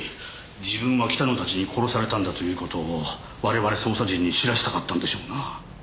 自分が北野たちに殺されたんだという事を我々捜査陣に知らせたかったんでしょうなぁ。